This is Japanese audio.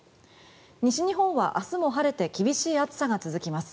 西日本は明日も晴れて厳しい暑さが続きます。